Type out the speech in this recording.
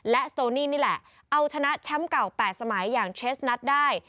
และสโตนี่นี่แหละเอาชนะแชมป์เก่า๘สมัยอย่างเชสนัทได้